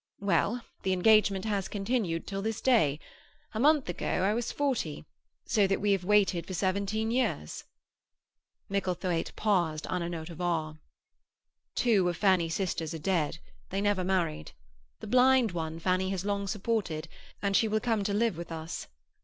Well, the engagement has continued till this day. A month ago I was forty, so that we have waited for seventeen years." Micklethwaite paused on a note of awe. "Two of Fanny's sisters are dead; they never married. The blind one Fanny has long supported, and she will come to live with us.